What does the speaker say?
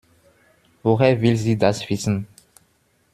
Woher will sie das wissen?